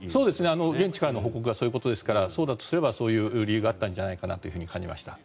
現地からの報告がそういうことですからそうであるならばそういう理由があったんじゃないかと感じました。